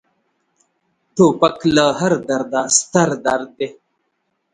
توپک له هر درده ستر درد دی.